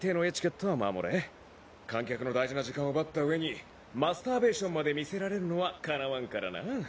観客の大事な時間を奪った上にマスターベーションまで見せられるのはかなわんからな。